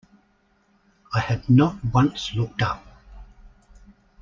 I had not once looked up.